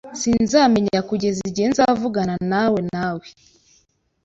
Sinzamenya kugeza igihe nzavuganawe nawe .